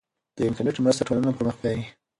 د انټرنیټ مرسته ټولنه پرمخ بیايي.